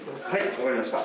分かりました。